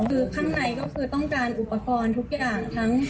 คือข้างในก็คือต้องการอุปกรณ์ทุกอย่างทั้ง